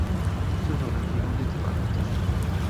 是否能提供電子發票資訊